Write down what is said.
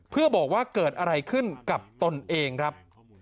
เพื่อบอกว่าเกิดอะไรขึ้นกับตนเองครับ